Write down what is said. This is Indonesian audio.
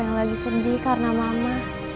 yang lagi sedih karena mama